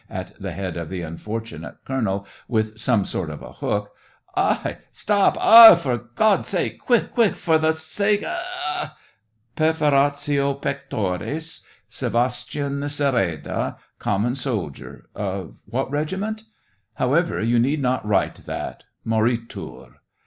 jj at the head of the unfortunate colonel, with some sort of a hook. " Ai ! stop ! Oi ! for God's sake, quick, quick, for the sake a a a a !..."" Pei'foratio pectoris ... Sevastyan Sereda, com mon soldier ... of what regiment ? however, you need not write that : moriUir.